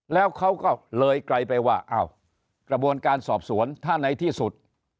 แล้วเขาก็เลยไกลไปว่าอ้าวกระบวนการสอบสวนถ้าในที่สุด